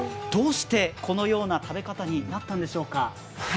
どうして、このような食べ方になったんでしょうか？